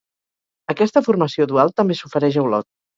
Aquesta formació dual també s'ofereix a Olot.